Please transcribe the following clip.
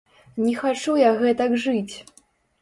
Не хачу я гэтак жыць!